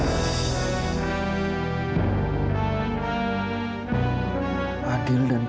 kamu tidak perlu menjelaskan kamu